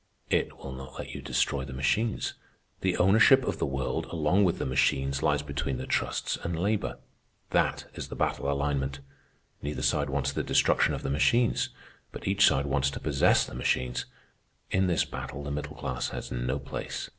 It will not let you destroy the machines. The ownership of the world, along with the machines, lies between the trusts and labor. That is the battle alignment. Neither side wants the destruction of the machines. But each side wants to possess the machines. In this battle the middle class has no place.